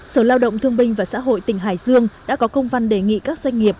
sở lao động thương binh và xã hội tỉnh hải dương đã có công văn đề nghị các doanh nghiệp